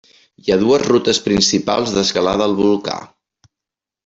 Hi ha dues rutes principals d'escalada al volcà.